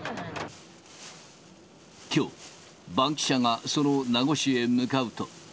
きょう、バンキシャがその名護市へ向かうと。